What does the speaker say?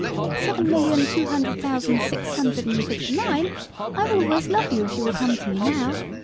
Seven million two hundred thousand six hundred and fifty nine! I will always love you if you will come to me now.